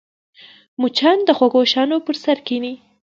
مچان د خوږو شیانو پر سر کښېني